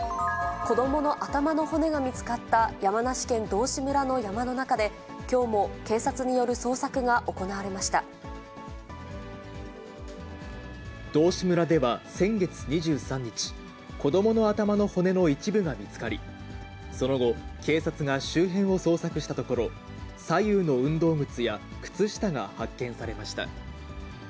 子どもの頭の骨が見つかった山梨県道志村の山の中で、きょうも警道志村では、先月２３日、子どもの頭の骨の一部が見つかり、その後、警察が周辺を捜索したところ、左右の運動靴や靴下が発見されました。